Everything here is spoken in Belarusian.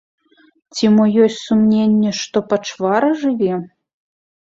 Ці мо ёсць сумненні, што пачвара жыве?